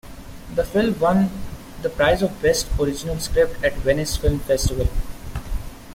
The film won the Prize for Best Original Script at the Venice Film Festival.